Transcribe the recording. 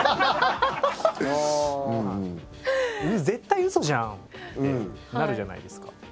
絶対うそじゃんってなるじゃないですか。